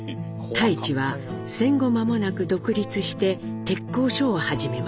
太市は戦後まもなく独立して鉄工所を始めます。